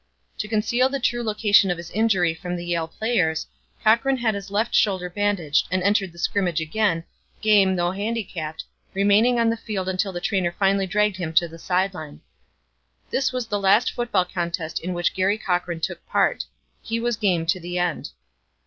To conceal the true location of his injury from the Yale players, Cochran had his left shoulder bandaged and entered the scrimmage again, game though handicapped, remaining on the field until the trainer finally dragged him to the side line. This was the last football contest in which Garry Cochran took part. He was game to the end.